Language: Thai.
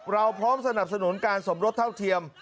เราพร้อมสนับสนุนการสมรสเท่าเทียม